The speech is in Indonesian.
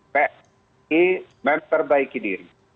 pssi memperbaiki diri